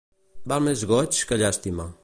Val més fer goig que llàstima.